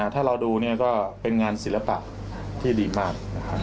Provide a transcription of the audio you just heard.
ถ้าเราดูก็เป็นงานศิลปะที่ดีมากนะครับ